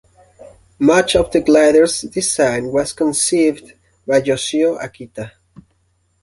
Much of the glider's design was conceived by Yoshio Akita.